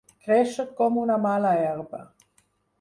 Créixer com una mala herba.